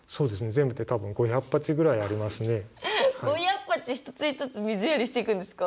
全部で多分５００鉢一つ一つ水やりしていくんですか？